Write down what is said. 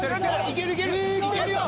いけるよ！